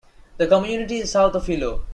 The community is south of Hilo.